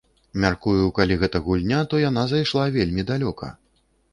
Мяркую, калі гэта гульня, то яна зайшла вельмі далёка.